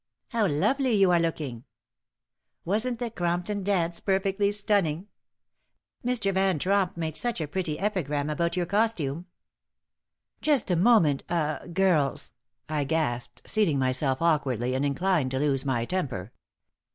"How lovely you are looking!" "Wasn't the Crompton dance perfectly stunning?" "Mr. Van Tromp made such a pretty epigram about your costume!" "Just a moment ah girls," I gasped, seating myself awkwardly, and inclined to lose my temper.